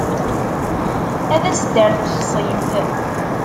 Ad as-d-terr texṣimt.